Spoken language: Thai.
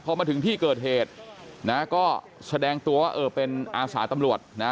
พอมาถึงที่เกิดเหตุนะก็แสดงตัวว่าเออเป็นอาสาตำรวจนะ